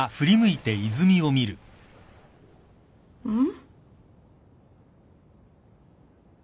うん？